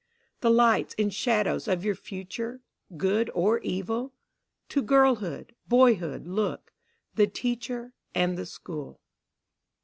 The lights and shadows of your future, good or evil? To girlhood, boyhood look, the teacher and the school.